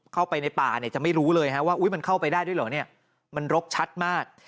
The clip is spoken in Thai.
เข้าไปในป่าเนี่ยจะไม่รู้เลยว่ามันเข้าไปได้ด้วยเหรอเนี่ยมันรกชัดมาก